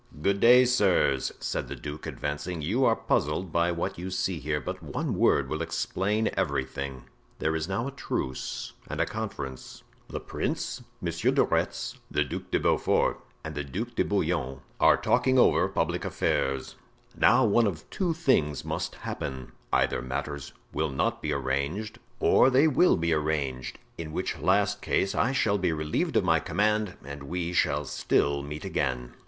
"Good day, sirs," said the duke, advancing; "you are puzzled by what you see here, but one word will explain everything. There is now a truce and a conference. The prince, Monsieur de Retz, the Duc de Beaufort, the Duc de Bouillon, are talking over public affairs. Now one of two things must happen: either matters will not be arranged, or they will be arranged, in which last case I shall be relieved of my command and we shall still meet again."